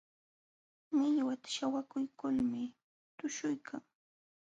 Millwata śhawakuykulmi tuśhuykan.